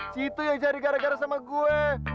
situ yang cari gara gara sama gue